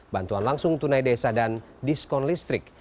bantuan langsung tunai desa dan diskon listrik